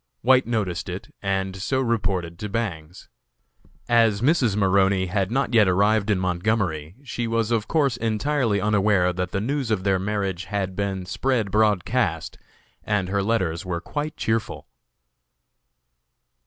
White noticed it, and so reported to Bangs. As Mrs. Maroney had not yet arrived in Montgomery, she was of course entirely unaware that the news of their marriage had been spread broadcast, and her letters were quite cheerful.